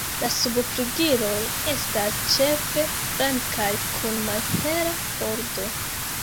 La subflugiloj estas ĉefe blankaj kun malhela bordo.